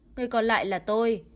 người còn lại là tôi